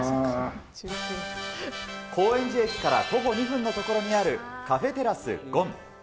高円寺駅から徒歩２分の所にあるカフェテラスごん。